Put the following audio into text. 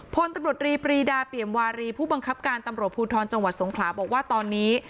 พลตำรวจรีปรีดาเปี่ยมวารีผู้บังคับการตำรวจภูทรจังหวัดสงขลาบอกว่าตอนนี้